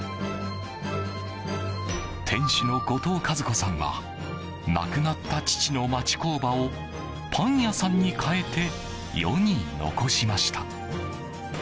店主の後藤和子さんは亡くなった父の町工場をパン屋さんに変えて世に残しました。